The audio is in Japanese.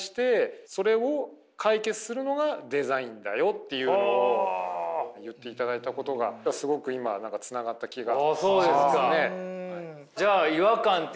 っていうのを言っていただいたことがすごく今つながった気がしますね。